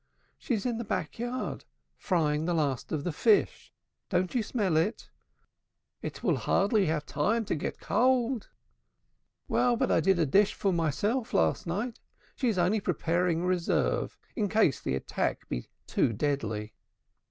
"She is in the back yard frying the last of the fish. Don't you smell it?" "It will hardly have time to get cold." "Well, but I did a dishful myself last night. She is only preparing a reserve in case the attack be too deadly."